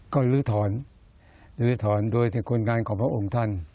ก็ลื้อถอนลื้อถอนโดยคนงานของพระองค์ท่าน